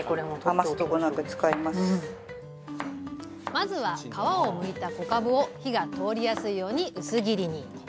まずは皮をむいた小かぶを火が通りやすいように薄切りに！